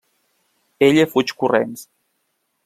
Ella fuig corrents.